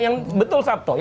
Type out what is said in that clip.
yang betul sabto